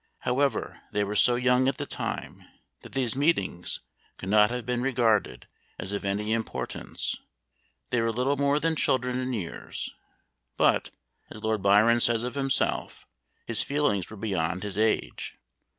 However, they were so young at the time that these meetings could not have been regarded as of any importance: they were little more than children in years; but, as Lord Byron says of himself, his feelings were beyond his age.